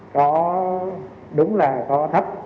có đúng là có thấp